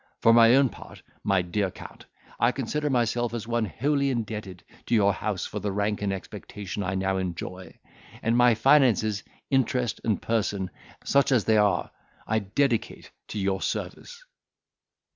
For my own part, my dear Count, I consider myself as one wholly indebted to your house for the rank and expectation I now enjoy; and my finances, interest, and person, such as they are, I dedicate to your service."